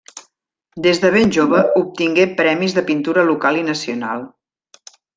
Des de ben jove obtingué premis de pintura local i nacional.